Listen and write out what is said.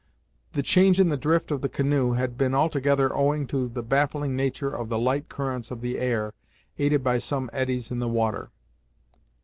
The change in the drift of the canoe had been altogether owing to the baffling nature of the light currents of the air, aided by some eddies in the water.